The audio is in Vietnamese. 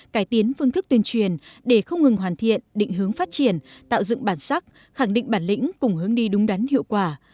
cải tiến phương thức tuyên truyền để không ngừng hoàn thiện định hướng phát triển tạo dựng bản sắc khẳng định bản lĩnh cùng hướng đi đúng đắn hiệu quả